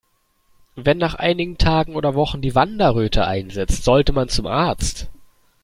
Wenn nach einigen Tagen oder Wochen die Wanderröte einsetzt, sollte man zum Arzt.